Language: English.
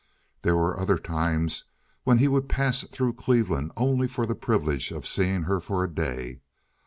There were other times when he would pass through Cleveland only for the privilege of seeing her for a day.